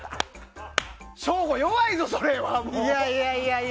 省吾、弱いぞそれは。